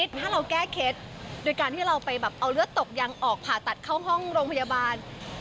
ถ้าการที่เราไปแบบเอาเลือดตกยังออกปีภารกยองโรงพยาบาล